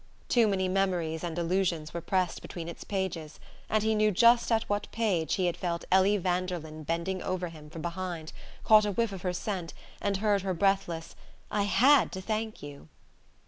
Too many memories and illusions were pressed between its pages; and he knew just at what page he had felt Ellie Vanderlyn bending over him from behind, caught a whiff of her scent, and heard her breathless "I had to thank you!"